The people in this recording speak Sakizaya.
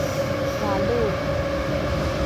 walu